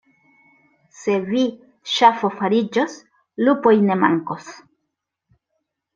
Se vi ŝafo fariĝos, lupoj ne mankos.